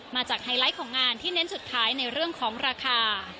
ไฮไลท์ของงานที่เน้นสุดท้ายในเรื่องของราคา